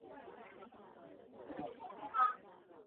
毛茎水蜡烛为唇形科水蜡烛属下的一个种。